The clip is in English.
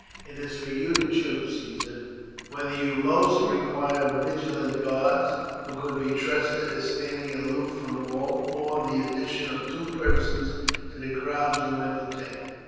It is for you to choose, Caesar, whether you most require vigilant guards, who could be trusted as standing aloof from all, or the addition of two persons to the crowds you entertain.